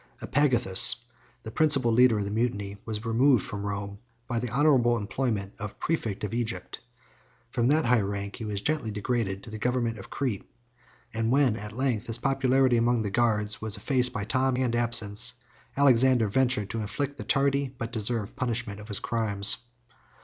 Epagathus, the principal leader of the mutiny, was removed from Rome, by the honorable employment of præfect of Egypt: from that high rank he was gently degraded to the government of Crete; and when at length, his popularity among the guards was effaced by time and absence, Alexander ventured to inflict the tardy but deserved punishment of his crimes.